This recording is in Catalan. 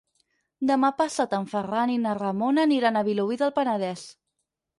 Demà passat en Ferran i na Ramona aniran a Vilobí del Penedès.